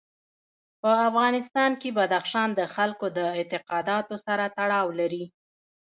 په افغانستان کې بدخشان د خلکو د اعتقاداتو سره تړاو لري.